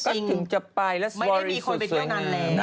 ไม่มีคนไปเมื่อกว่านั้นแล้ว